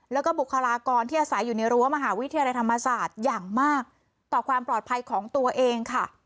แล้วก็บุคลากรที่อาศัยอยู่ในรั้วมหาวิทยาลัยธรรมศาสตร์อย่างมากต่อความปลอดภัยของตัวเองค่ะ